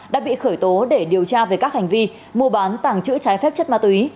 đã bị khởi tố để điều tra về các hành vi mua bán tàng trữ trái phép chất ma túy